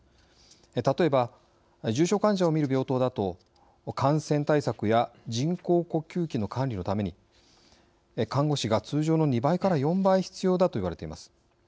例えば、重症患者を診る病棟だと感染対策や人工呼吸器の管理のために看護師が通常の２倍から４倍必要だと言われています。